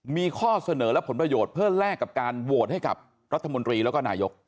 มีข้อเสนอและผลประโยชน์เพื่อแลกกับการโหวตให้กับรัฐมนตรีแล้วก็นายก